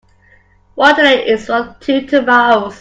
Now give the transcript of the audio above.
One today is worth two tomorrows.